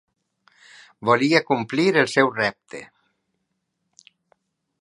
Volia complir el seu repte.